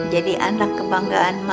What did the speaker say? ya dia nyuruh mau makan